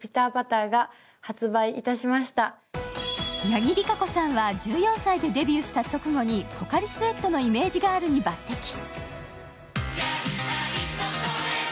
八木莉可子さんは１４歳でデビューした直後にポカリスエットのイメージガールに抜てき。